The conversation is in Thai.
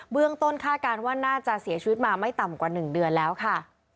เรื่องต้นคาดการณ์ว่าน่าจะเสียชีวิตมาไม่ต่ำกว่า๑เดือนแล้วค่ะ